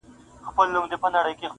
عجايب يې دي رنگونه د ټوكرانو-